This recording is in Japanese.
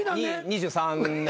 ２３年。